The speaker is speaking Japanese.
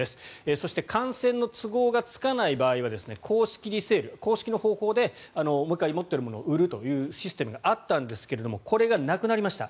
そして観戦の都合がつかない場合は公式リセール公式の方法でもう１回、持っているものを売るというシステムがあったんですがこれがなくなりました。